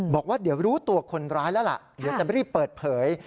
บอกว่าเดี๋ยวรู้ตัวคนร้ายแล้วล่ะเดี๋ยวจะรีบเปิดเผย